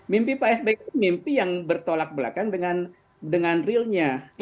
mimpi pak sby mimpi yang bertolak belakang dengan realnya